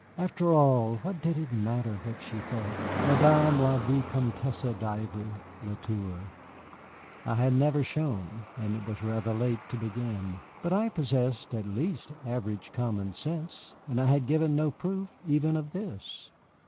After all, what did it matter what she thought, Madame la Vicomtesse d'Ivry le Tour? I had never shone, and it was rather late to begin. But I possessed, at least, average common sense, and I had given no proof even of this.